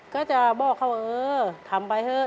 ก็จะบอกเขาเออทำไปเถอะ